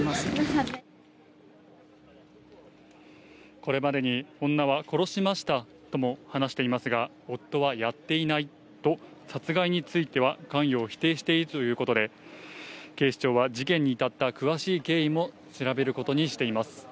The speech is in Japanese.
これまでに女は殺しましたとも話していますが、夫はやっていないと殺害については関与を否定しているということで、警視庁は事件に至った詳しい経緯も調べることにしています。